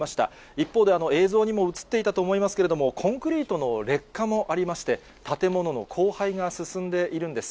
一方で、映像にも映っていたと思いますけど、コンクリートの劣化もありまして、建物の荒廃が進んでいるんです。